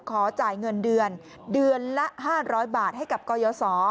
ขอจ่ายเงินเดือนเดือนละ๕๐๐บาทให้กับกรยศ